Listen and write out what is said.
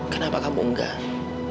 kenapa kamu enggak